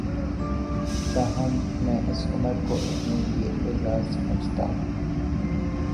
تاہم میں اس امر کو اپنے لیے اعزا ز سمجھتا ہوں